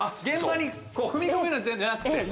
現場に踏み込むんじゃなくて。